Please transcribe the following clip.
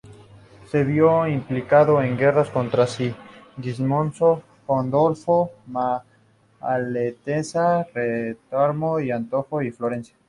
Se vio implicado en guerras contra Sigismondo Pandolfo Malatesta, Renato de Anjou, y Florencia.